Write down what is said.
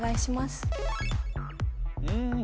うん